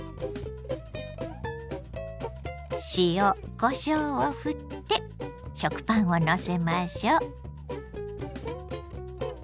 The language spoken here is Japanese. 塩こしょうをふって食パンをのせましょう。